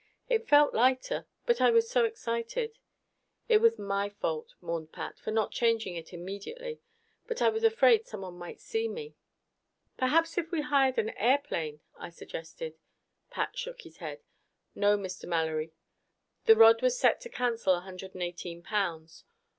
It felt lighter. But I was so excited " "It was my fault," mourned Pat, "for not changing it immediately. But I was afraid someone might see me." "Perhaps if we hired an airplane ?" I suggested. Pat shook his head. "No, Mr. Mallory. The rod was set to cancel 118 pounds.